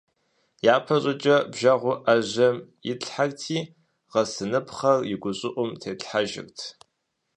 ЯпэщӀыкӀэ бжэгъур Ӏэжьэм итлъхьэрти, гъэсыныпхъэр и гущӀыӀум тетлъхьэжырт.